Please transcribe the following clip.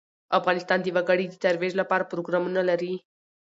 افغانستان د وګړي د ترویج لپاره پروګرامونه لري.